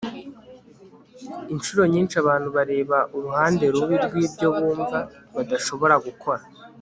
inshuro nyinshi abantu bareba uruhande rubi rwibyo bumva badashobora gukora